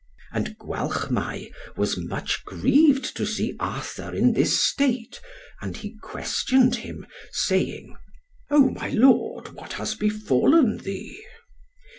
And Gwalchmai was much grieved to see Arthur in this state; and he questioned him, saying, "Oh my Lord! what has befallen thee?"